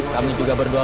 kami juga berdoa